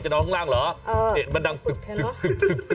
จะนอนทางล่างเหรอเพิ่งไปดังเนี่ยเป็นเน่าแบบ